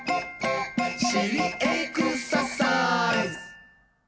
「しりエクササイズ！」